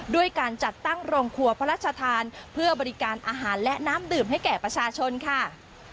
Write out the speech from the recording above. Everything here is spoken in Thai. ด้วยการจัดตั้งโรงครัวพระราชทานเพื่อบริการอาหารและน้ำดื่มให้แก่ประชาชนค่ะ